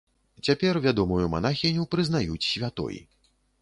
Цяпер вядомую манахіню прызнаюць святой.